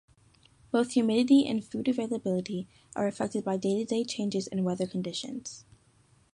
Both humidity and food availability are affected by day-to-day changes in weather conditions.